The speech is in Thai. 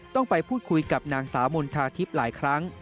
ต้องไปพูดคุยกับนางสาวมณฑาทิพย์หลายครั้ง